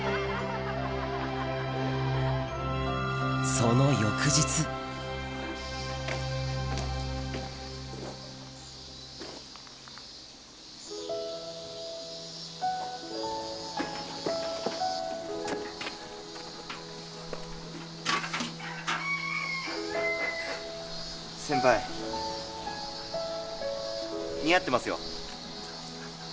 その翌日先輩似合ってますよ。